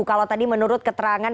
kalau tadi menurut keterangan